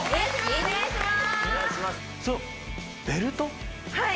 お願いします！